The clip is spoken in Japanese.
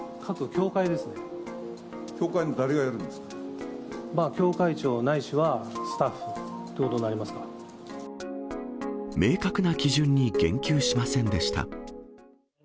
教会長、ないしはスタッフと明確な基準に言及しませんでした。